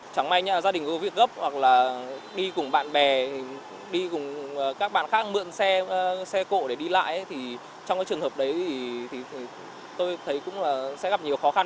chẳng may gia đình có việc gấp hoặc là đi cùng bạn bè đi cùng các bạn khác mượn xe cộ để đi lại thì trong cái trường hợp đấy thì tôi thấy cũng là sẽ gặp nhiều khó khăn